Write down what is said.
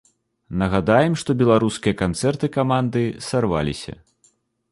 Нагадаем, што беларускія канцэрты каманды сарваліся.